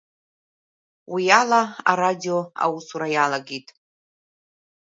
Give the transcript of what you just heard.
Уиала арадио аусура иалгеит.